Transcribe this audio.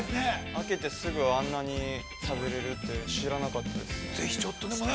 ◆あけてすぐあんなに食べられるって知らなかったですね。